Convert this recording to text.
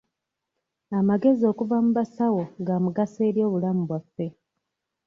Amagezi okuva mu basawo ga mugaso eri obulamu bwaffe.